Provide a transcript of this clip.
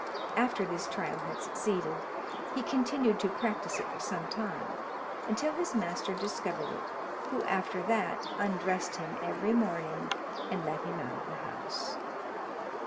After this trial had succeeded, he continued to practise it for some time, until his master discovered it, who after that undressed him every morning, and let him out of the house.